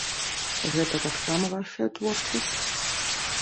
Гэта таксама вашая творчасць?